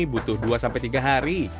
butuh dua sampai tiga hari